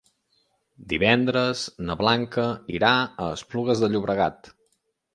Divendres na Blanca irà a Esplugues de Llobregat.